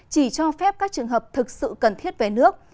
chỉ cho phép các trường hợp thực sự cần thiết về nước